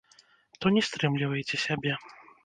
То не стрымлівайце сябе.